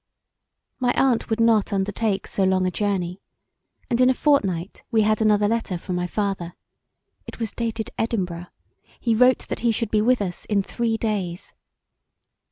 My aunt would not undertake so long a journey, and in a fortnight we had another letter from my father, it was dated Edinburgh: he wrote that he should be with us in three days.